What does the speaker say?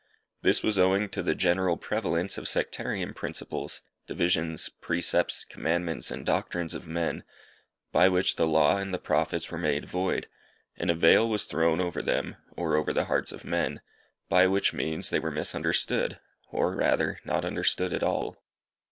This was owing to the general prevalence of sectarian principles, divisions, precepts, commandments, and doctrines of men, by which the Law and the Prophets were made void, and a veil was thrown over them, or over the hearts of men, by which means they were misunderstood, or rather, not understood at all.